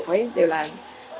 giới thiệu với người